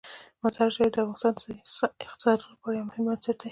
مزارشریف د افغانستان د ځایي اقتصادونو لپاره یو مهم بنسټ دی.